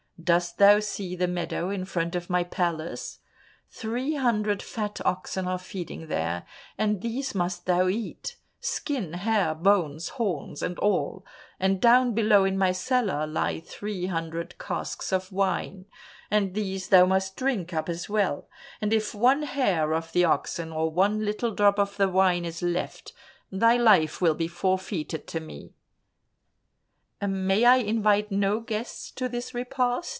Dost thou see the meadow in front of my palace? Three hundred fat oxen are feeding there, and these must thou eat, skin, hair, bones, horns and all, and down below in my cellar lie three hundred casks of wine, and these thou must drink up as well, and if one hair of the oxen, or one little drop of the wine is left, thy life will be forfeited to me." "May I invite no guests to this repast?"